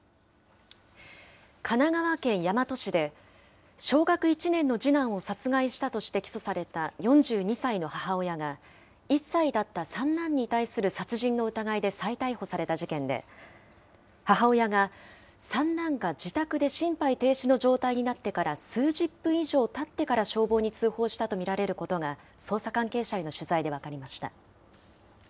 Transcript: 神奈川県大和市で、小学１年の次男を殺害したとして起訴された４２歳の母親が、１歳だった三男に対する殺人の疑いで再逮捕された事件で、母親が、三男が自宅で心肺停止の状態になってから数十分以上たってから消防に通報したと見られることが、捜査関係者への取材で分かりました。